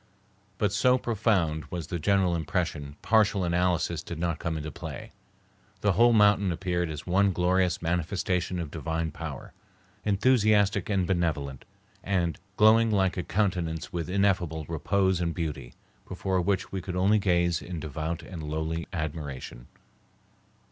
But so profound was the general impression, partial analysis did not come into play. The whole mountain appeared as one glorious manifestation of divine power, enthusiastic and benevolent, glowing like a countenance with ineffable repose and beauty, before which we could only gaze in devout and lowly admiration.